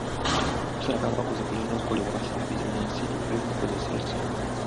Okusalako abakozi kulina kukolebwa singa bizinensi y'omukozesa esaanawo.